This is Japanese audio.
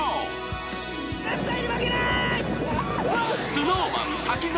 ［ＳｎｏｗＭａｎ滝沢